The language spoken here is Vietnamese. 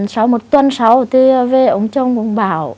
sau một tuần sau thì về ông chồng ông bảo